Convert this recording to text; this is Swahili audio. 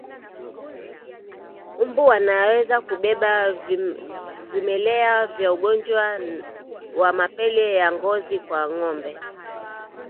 Mbu wanaweza kubeba vimelea vya ugonjwa wa mapele ya ngozi kwa ngombe